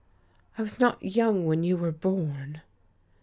I was not young when you were born."